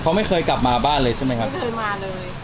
เขาไม่เคยกลับมาบ้านเลยใช่ไหมครับไม่เคยมาเลย